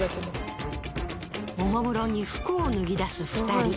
おもむろに服を脱ぎ出す２人。